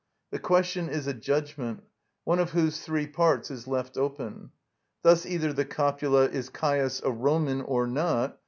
The question is a judgment, one of whose three parts is left open: thus either the copula, "Is Caius a Roman—or not?"